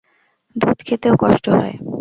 দুধ খেতেও কষ্ট হয়।